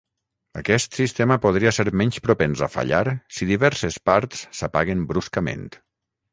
Aquest sistema podria ser menys propens a fallar si diverses parts s'apaguen bruscament.